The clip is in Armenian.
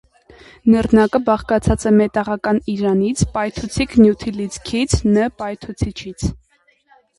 Նռնակը բաղկացած է մետաղական իրանից, պայթուցիկ նյութի լիցքից ն պայթուցիչից։